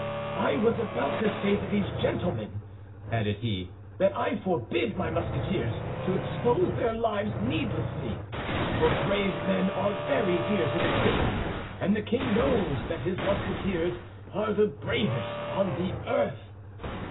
"I was about to say to these gentlemen," added he, "that I forbid my Musketeers to expose their lives needlessly; for brave men are very dear to the king, and the king knows that his Musketeers are the bravest on the earth.